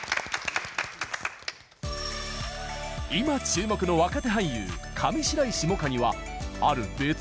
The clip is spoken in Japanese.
今注目の若手俳優上白石萌歌にはある別の顔が。